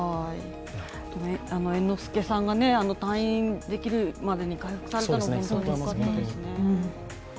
猿之助さんが退院できるまでに回復されたのはよかったですね。